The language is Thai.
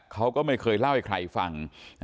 เขาก็ไม่เคยเล่าให้ใครฟัง